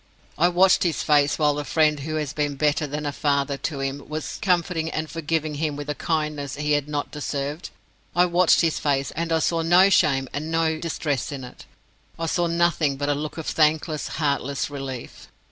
I watched his face while the friend who has been better than a father to him was comforting and forgiving him with a kindness he had not deserved: I watched his face, and I saw no shame and no distress in it—I saw nothing but a look of thankless, heartless relief.